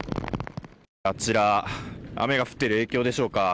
あちら雨が降っている影響でしょうか。